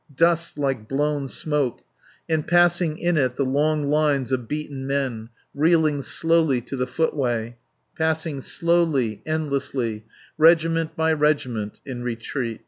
Dust like blown smoke, and passing in it the long lines of beaten men, reeling slowly to the footway, passing slowly, endlessly, regiment by regiment, in retreat.